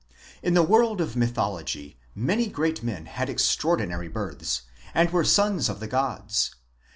In the world of mythology many great men had extraordinary births, and were sons of the gods.